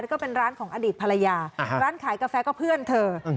แล้วก็เป็นร้านของอดีตภรรยาร้านขายกาแฟก็เพื่อนเธอ